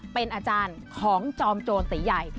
เป็นอาจารย์ของจอมโจรตีใหญ่